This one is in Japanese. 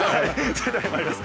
それではまいります。